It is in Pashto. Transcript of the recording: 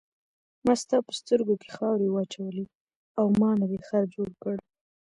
ما ستا په سترګو کې خاورې واچولې او ما نه دې خر جوړ کړ.